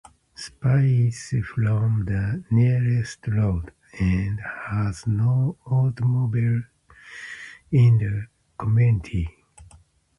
Supai is from the nearest road and has no automobiles in the community.